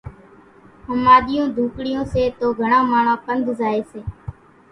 ۿماۮِيئيون ڍوڪڙيون سي تو گھڻان ماڻۿان پنڌ زائي سي